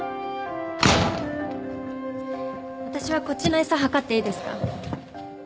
私はこっちの餌計っていいですか？